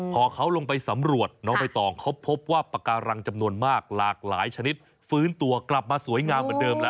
พอเขาลงไปสำรวจน้องใบตองเขาพบว่าปากการังจำนวนมากหลากหลายชนิดฟื้นตัวกลับมาสวยงามเหมือนเดิมแล้ว